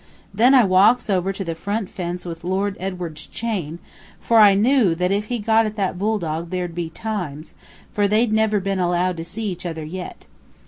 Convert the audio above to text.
Then I walks over to the front fence with Lord Edward's chain, for I knew that if he got at that bull dog there'd be times, for they'd never been allowed to see each other yet.